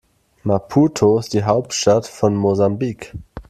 Maputo ist die Hauptstadt von Mosambik.